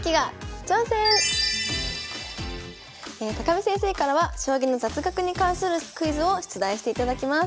見先生からは将棋の雑学に関するクイズを出題していただきます。